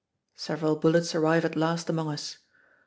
Several bullets arrive at last among us.